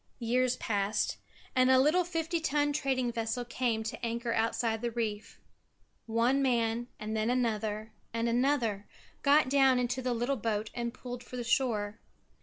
Years passed and a little fifty ton trading vessel came to anchor outside the reef. One man and then another and another got down into the little boat and pulled for the shore.